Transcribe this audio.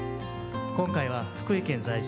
今回は福井県在住